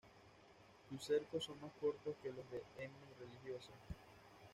Sus cercos son más cortos que los de "M. religiosa".